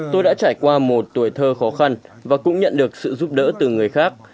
tôi đã trải qua một tuổi thơ khó khăn và cũng nhận được sự giúp đỡ từ người khác